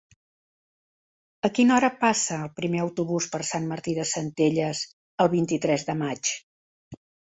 A quina hora passa el primer autobús per Sant Martí de Centelles el vint-i-tres de maig?